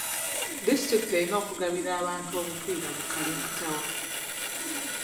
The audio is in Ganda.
Distitulikiti erina okugabira abantu obupiira bu kalimpitawa